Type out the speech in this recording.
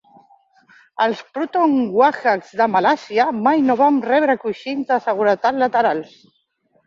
Els Proton Wajas de Malàisia mai no van rebre coixins de seguretat laterals.